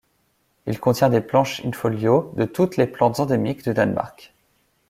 Il contient des planches in folio de toutes les plantes endémiques du Danemark.